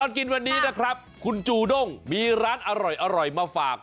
กินวันนี้นะครับคุณจูด้งมีร้านอร่อยมาฝาก